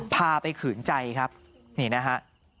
พาไปขืนใจครับนี่นะฮะ